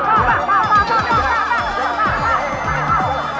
kan kan sih kalo bawa pasangan aku terhadap